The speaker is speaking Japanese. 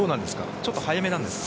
ちょっと早めなんですか？